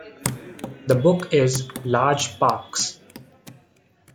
The book is "Large Parks".